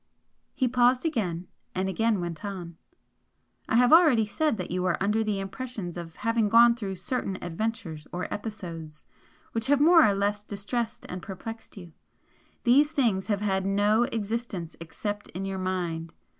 He paused again and again went on. "I have already said that you are under the impression of having gone through certain adventures or episodes, which have more or less distressed and perplexed you. These things have had NO EXISTENCE except in your mind!